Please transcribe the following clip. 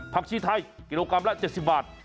ชีไทยกิโลกรัมละ๗๐บาท